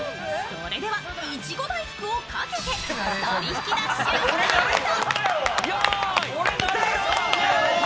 それではいちご大福をかけてそり引きダッシュスタート。